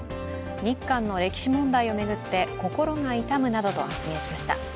日韓の歴史問題を巡って心が痛むなどと発言しました。